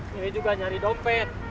ini juga nyari dompet